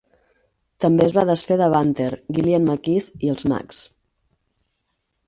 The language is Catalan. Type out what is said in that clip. També es va desfer de Banter, Gillian McKeith i els mags.